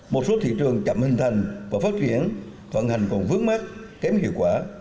một số thị trường chậm hình thành và phát triển thuận hành còn vướng mắt kém hiệu quả